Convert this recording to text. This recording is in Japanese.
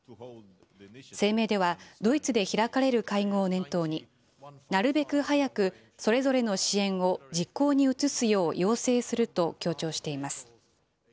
声明では、ドイツで開かれる会合を念頭に、なるべく早くそれぞれの支援を実行に移すよう要請すると強調しています。